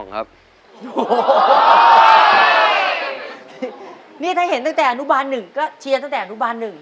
ครับโอ้โหนี่ถ้าเห็นตั้งแต่อนุบาลหนึ่งก็เชียร์ตั้งแต่อนุบาลหนึ่ง